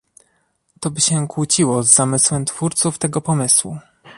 To by się kłóciło z zamysłem twórców tego pomysłu